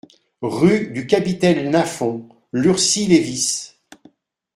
Rue du Capitaine Lafond, Lurcy-Lévis